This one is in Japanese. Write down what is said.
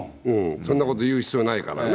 そんなこと言う必要ないからね。